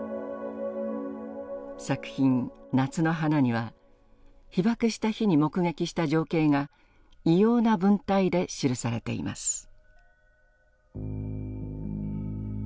作品「夏の花」には被爆した日に目撃した情景が異様な文体で記されています。